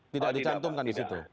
tidak dicantumkan di situ